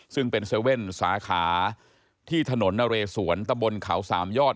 ซึ่งเป็น๗๑๑สาขาที่ถนนนเรสวนตะบนเขาสามยอด